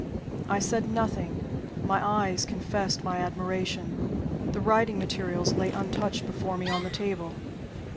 I said nothing; my eyes confessed my admiration; the writing materials lay untouched before me on the table.